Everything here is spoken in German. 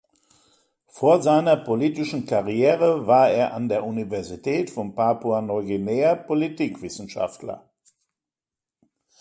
Vor seiner politischen Karriere war er an der Universität von Papua-Neuguinea Politikwissenschaftler.